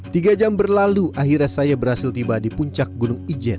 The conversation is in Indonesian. tiga jam berlalu akhirnya saya berhasil tiba di puncak gunung ijen